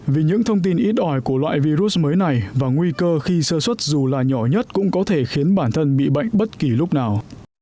vì những thông tin ít ỏi của loại virus mới này và nguy cơ khi sơ xuất dù là nhỏ nhất cũng có thể khiến bản thân bị bệnh bất kỳ lúc nào